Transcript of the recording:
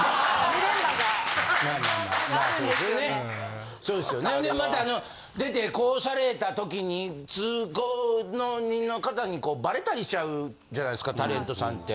ほんでまた出てこうされた時に通行人の方にバレたりしちゃうじゃないですかタレントさんって。